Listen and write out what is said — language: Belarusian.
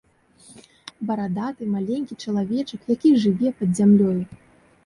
Барадаты, маленькі чалавечак, які жыве пад зямлёю.